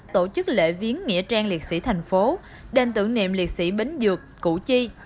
tổ chức lễ viếng nghĩa trang liệt sĩ thành phố đền tưởng niệm liệt sĩ bến dược củ chi